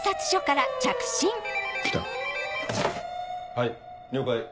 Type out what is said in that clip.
はい了解。